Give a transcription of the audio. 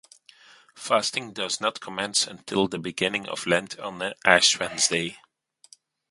Fasting does not commence until the beginning of Lent on Ash Wednesday.